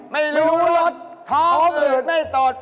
ไม่รู้ลดท้อมเหลืดไม่ตด